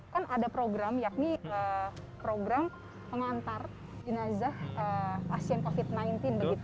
karena ini kan ada program program yang berkaitan dengan penyelamat